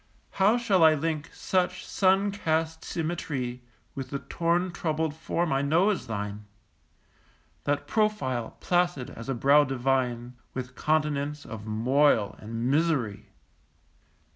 How shall I link such sun cast symmetry With the torn troubled form I know as thine, That profile, placid as a brow divine, With continents of moil and misery?